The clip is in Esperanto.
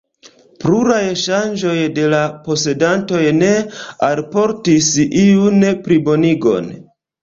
Pluraj ŝanĝoj de la posedantoj ne alportis iun plibonigon.